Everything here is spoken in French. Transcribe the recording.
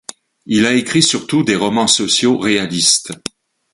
Il a écrit surtout des romans sociaux réalistes.